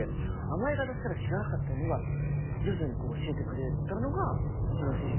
甘え方すら知らなかったのが徐々に教えてくれたのがうちの主人。